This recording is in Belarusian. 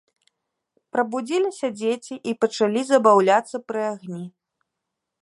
Прабудзіліся дзеці і пачалі забаўляцца пры агні.